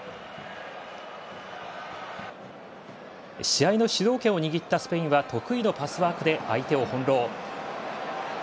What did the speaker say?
試合の主導権を握ったスペインは得意のパスワークで相手を翻弄。